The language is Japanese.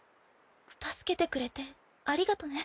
助けてくれてありがとね。